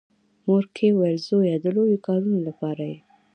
مورکۍ ویل زويه د لويو کارونو لپاره یې.